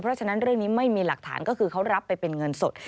เพราะฉะนั้นเรื่องนี้ไม่มีหลักฐานก็คือเขารับไปเป็นเงินสด